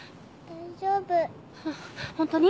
大丈夫ホントに？